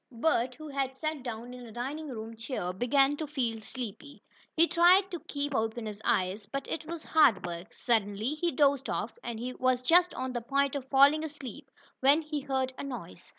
Bert, who had sat down in a dining room chair, began to feel sleepy. He tried to keep open his eyes, but it was hard work. Suddenly he dozed off, and he was just on the point of falling asleep, when he heard a noise.